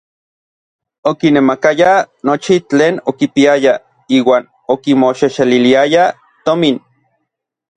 Okinemakayaj nochi tlen okipiayaj iuan okimoxexeliliayaj tomin.